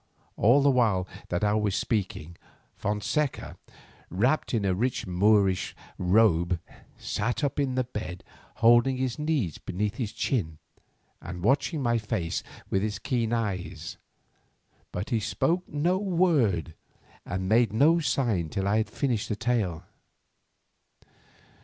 All the while that I was speaking Fonseca, wrapped in a rich Moorish robe, sat up in the bed holding his knees beneath his chin, and watching my face with his keen eyes. But he spoke no word and made no sign till I had finished the tale.